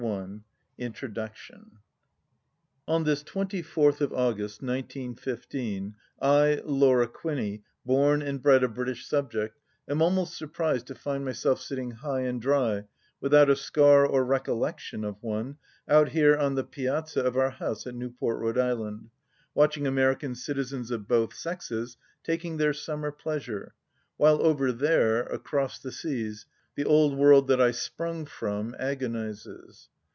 292 PART I INTRODUCTION On this twenty fourth of August, 1915, I, Laura Quinney, born and bred a British subject, am almost surprised to find myself sitting high and dry, without a scar or recollection of one, out here on the piazza of our house at Newport, R.I., watching American citizens of both sexes taking their summer pleasure, while over there, across the seas, the old world that I sprung from agonizes.